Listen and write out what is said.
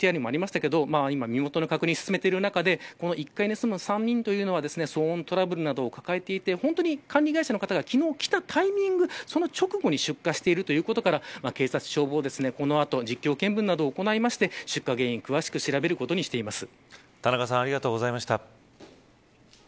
ＶＴＲにもありましたけど今、身元の確認を進めている中で１階に住む３人はトラブルなどを抱えていて管理会社の方が昨日来たタイミングその直後に出火しているということから警察消防はこの後、実況見分などを行って出火原因を詳しく調べています。